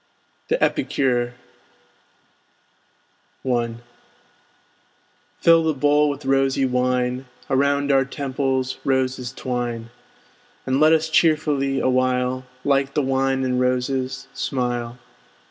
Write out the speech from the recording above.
THE EPICURE I Fill the bowl with rosy wine! Around our temples roses twine! And let us cheerfully awhile, Like the wine and roses, smile.